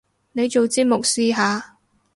你做節目試下